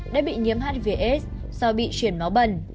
đã bị nhiễm hivs sau bị chuyển máu bẩn